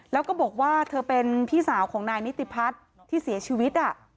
แล้วก็บอกว่าเธอเป็นพี่สาวของนายนิติพัฒน์ที่เสียชีวิต